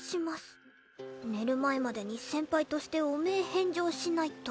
寝る前までに先輩として汚名返上しないと。